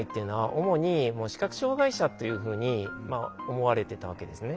主に視覚障害者というふうに思われてたわけですね。